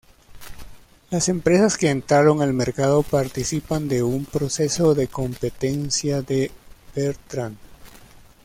Las empresas que entraron al mercado participan de un proceso de competencia de Bertrand.